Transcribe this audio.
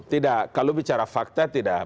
tidak kalau bicara fakta tidak